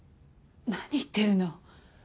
何言ってるの？